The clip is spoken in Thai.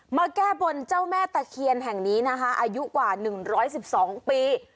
มาแก้บนเจ้าแม่ตะเคียนแห่งนี้นะคะอายุกว่า๑๑๒ปี